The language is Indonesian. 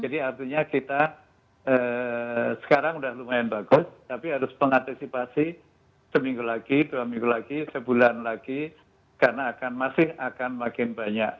jadi artinya kita sekarang sudah lumayan bagus tapi harus pengantisipasi seminggu lagi dua minggu lagi sebulan lagi karena akan masih akan makin banyak